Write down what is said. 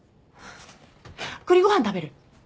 栗ご飯食べる？